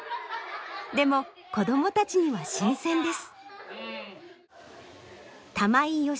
でも子どもたちには新鮮です。